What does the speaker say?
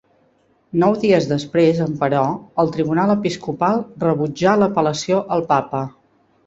Nou dies després, emperò, el tribunal episcopal rebutjà l'apel·lació al Papa.